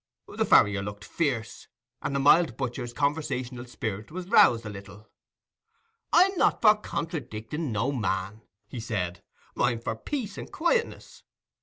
The farrier looked fierce, and the mild butcher's conversational spirit was roused a little. "I'm not for contradicking no man," he said; "I'm for peace and quietness.